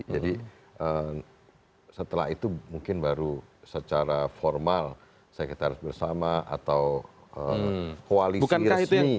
jadi setelah itu mungkin baru secara formal sekretariat bersama atau koalisi resmi